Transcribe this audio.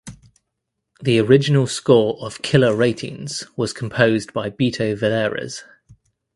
The original score of "Killer Ratings" was composed by Beto Villares.